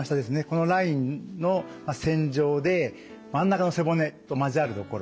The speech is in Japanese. このラインの線状で真ん中の背骨と交わる所